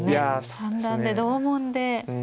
三段で同門で。